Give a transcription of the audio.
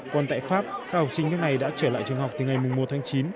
còn tại pháp các học sinh nước này đã trở lại trường học từ ngày một tháng chín